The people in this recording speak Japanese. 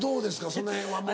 その辺はもう。